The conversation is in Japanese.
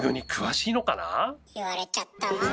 言われちゃったわ。